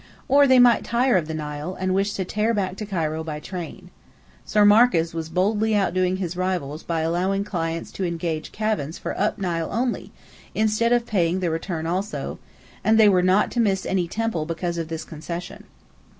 Or they might tire of the Nile, and wish to tear back to Cairo by train. Sir Marcus was boldly outdoing his rivals by allowing clients to engage cabins for "up Nile" only, instead of paying the return also: and they were not to miss any temple because of this concession.